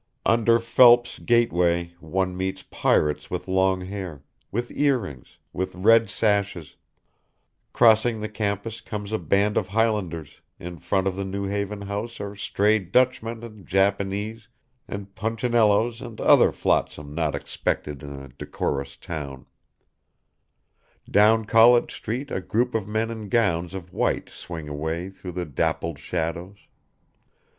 Under Phelps Gate way one meets pirates with long hair, with ear rings, with red sashes; crossing the campus comes a band of Highlanders, in front of the New Haven House are stray Dutchmen and Japanese and Punchinellos and other flotsam not expected in a decorous town; down College Street a group of men in gowns of white swing away through the dappled shadows.